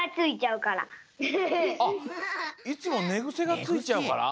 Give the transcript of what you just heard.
あっいつもねぐせがついちゃうから。